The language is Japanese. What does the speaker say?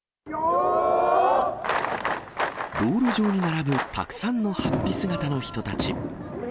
道路上に並ぶたくさんのはっぴ姿の人たち。